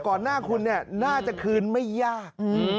ก่อนหน้าคุณเนี่ยน่าจะคืนไม่ยากอืม